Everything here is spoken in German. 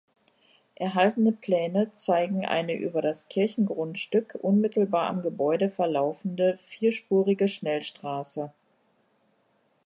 Erhaltene Pläne zeigen eine über das Kirchengrundstück unmittelbar am Gebäude verlaufende vierspurige Schnellstraße.